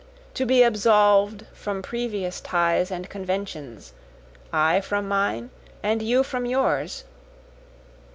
To be absolv'd from previous ties and conventions, I from mine and you from yours!